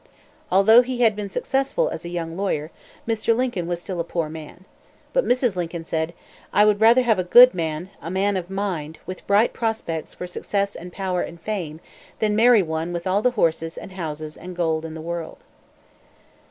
Although he had been successful as a young lawyer, Mr. Lincoln was still a poor man. But Mrs. Lincoln said: "I would rather have a good man, a man of mind, with bright prospects for success and power and fame, than marry one with all the horses and houses and gold in the world."